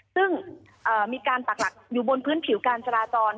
ซึ่งมีการปักหลักอยู่บนพื้นผิวการจราจร